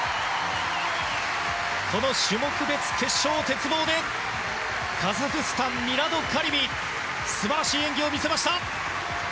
この種目別決勝、鉄棒でカザフスタンのミラド・カリミが素晴らしい演技を見せました。